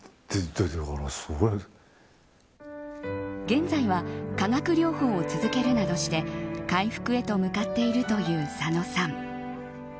現在は化学療法を続けるなどして回復へと向かっているという佐野さん。